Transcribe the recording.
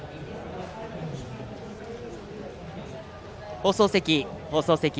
放送席、放送席。